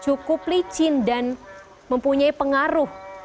cukup licin dan mempunyai pengaruh